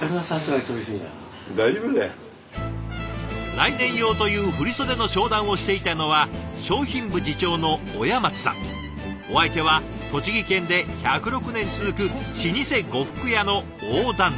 来年用という振り袖の商談をしていたのはお相手は栃木県で１０６年続く老舗呉服屋の大旦那。